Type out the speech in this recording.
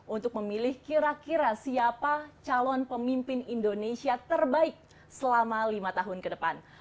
untuk memilih kira kira siapa calon pemimpin indonesia terbaik selama lima tahun ke depan